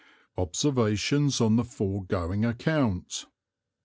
Observations on the foregoing Account.